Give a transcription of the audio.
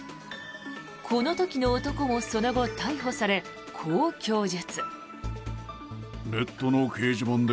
この時の男もその後、逮捕されこう供述。